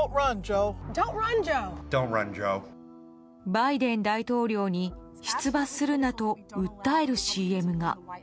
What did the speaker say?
バイデン大統領に出馬するなと訴えるＣＭが。